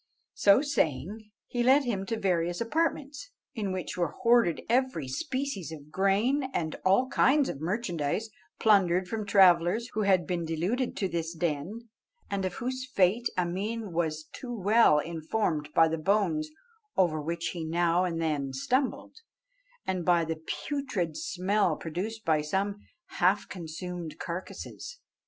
So saying, he led him to various apartments, in which were hoarded every species of grain, and all kinds of merchandise, plundered from travellers who had been deluded to this den, and of whose fate Ameen was too well informed by the bones over which he now and then stumbled, and by the putrid smell produced by some half consumed carcasses.